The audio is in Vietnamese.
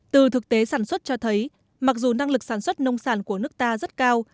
từ thực tế sản xuất cho thấy mặc dù năng lực sản xuất nông sản của nước ta rất cao